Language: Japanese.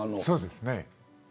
そうですね